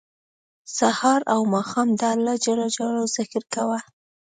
سهار او ماښام د الله ج ذکر کوه